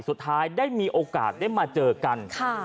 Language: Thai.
สุดท้ายได้มีโอกาสได้มาเจอกัน